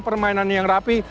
permainan yang rapi